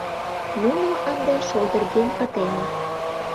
Нуно ынде шолдырген пытеныт.